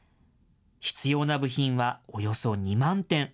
必要な部品はおよそ２万点。